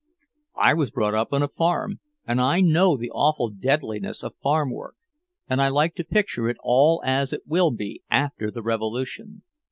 I was brought up on a farm, and I know the awful deadliness of farm work; and I like to picture it all as it will be after the revolution.